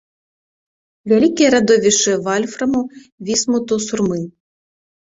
Вялікія радовішчы вальфраму, вісмуту, сурмы.